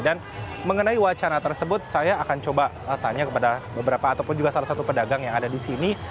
dan mengenai wacana tersebut saya akan coba tanya kepada beberapa ataupun juga salah satu pedagang yang ada di sini